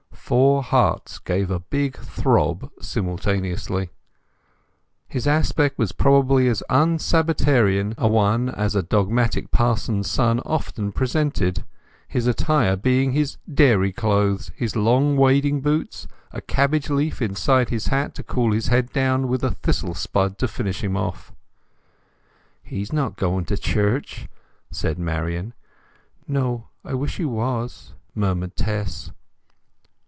Four hearts gave a big throb simultaneously. His aspect was probably as un Sabbatarian a one as a dogmatic parson's son often presented; his attire being his dairy clothes, long wading boots, a cabbage leaf inside his hat to keep his head cool, with a thistle spud to finish him off. "He's not going to church," said Marian. "No—I wish he was!" murmured Tess.